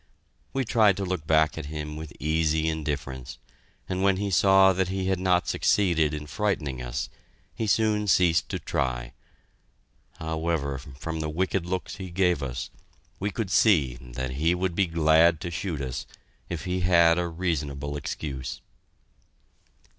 We tried to look back at him with easy indifference, and when he saw that he had not succeeded in frightening us, he soon ceased to try. However, from the wicked looks he gave us, we could see that he would be glad to shoot us if he had a reasonable excuse.